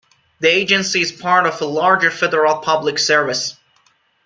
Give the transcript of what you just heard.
The agency is part of the larger federal public service.